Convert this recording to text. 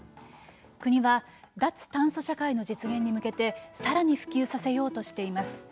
国は脱炭素社会の実現に向けてさらに普及させようとしています。